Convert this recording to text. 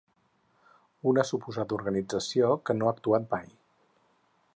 Una suposada organització que no ha actuat mai.